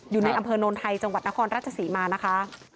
อยู่ในอำเภอโนนไทยจังหวัดนครราชศรีมานะคะ